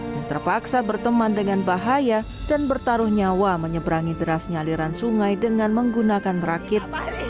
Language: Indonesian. yang terpaksa berteman dengan bahaya dan bertaruh nyawa menyeberangi derasnya aliran sungai dengan menggunakan rakit